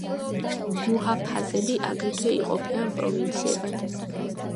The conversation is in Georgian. მუჰაფაზები აგრეთვე იყოფიან პროვინციებად.